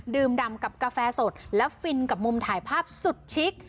ดำกับกาแฟสดแล้วฟินกับมุมถ่ายภาพสุดชิค